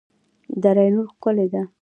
دره نور ښکلې ده؟